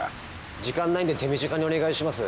時間ないんで手短にお願いします。